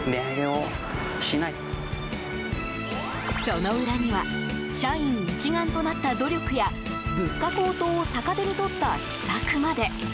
その裏には社員一丸となった努力や物価高騰を逆手に取った秘策まで。